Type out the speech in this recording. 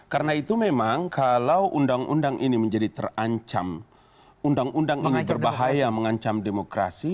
karena itu memang kalau undang undang ini menjadi terancam undang undang ini berbahaya mengancam demokrasi